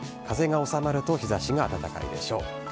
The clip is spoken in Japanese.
風が収まると日ざしが暖かいでしょう。